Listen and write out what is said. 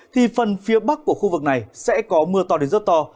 thì phần phía bắc của khu vực này sẽ có mưa to đến rất to